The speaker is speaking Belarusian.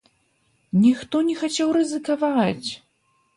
Ніхто не хацеў рызыкаваць!